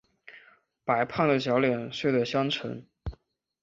白胖的小脸睡的香沉